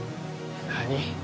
何？